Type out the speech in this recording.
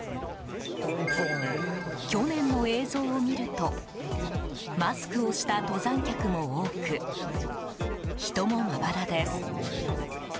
去年の映像を見るとマスクをした登山客も多く人もまばらです。